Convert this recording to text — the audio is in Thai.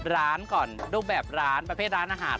ร้านก่อนรูปแบบร้านประเภทร้านอาหาร